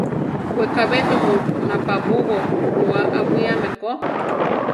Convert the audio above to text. Wekabé tumu napabúpo rua awíame ko.